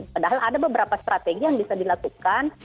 padahal ada beberapa strategi yang bisa dilakukan